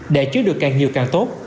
để chứa được càng nhiều càng tốt